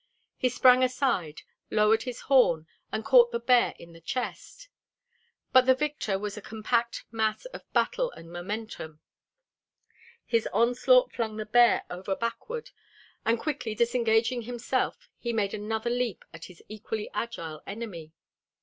He sprang aside, lowered his horn and caught the bear in the chest. But the victor was a compact mass of battle and momentum. His onslaught flung the bear over backward, and quickly disengaging himself he made another leap at his equally agile enemy.